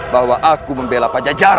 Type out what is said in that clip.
bahwa aku membela pak jajah